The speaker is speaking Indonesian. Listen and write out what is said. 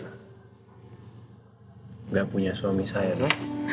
hai gak punya suami saya